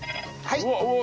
はい！